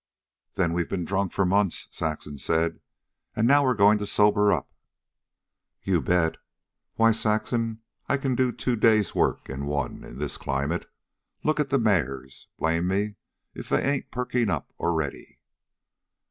"Then we've been drunk for months," Saxon said. "And now we're going to sober up." "You bet. Why, Saxon, I can do two days' work in one in this climate. Look at the mares. Blame me if they ain't perkin' up already."